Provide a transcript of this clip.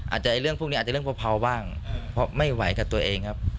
เรื่องพวกนี้อาจจะเรื่องเบาบ้างเพราะไม่ไหวกับตัวเองครับ